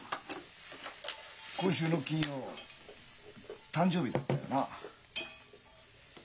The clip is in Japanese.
今週の金曜誕生日だったよな？